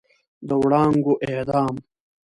د وړانګو اعدام